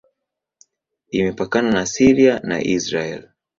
Imepakana na Syria na Israel.